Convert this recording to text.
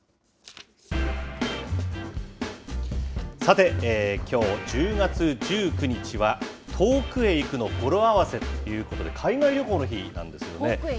さて、きょう１０月１９日は遠くへ行くの語呂合わせということで、海外旅行の日なんですよね。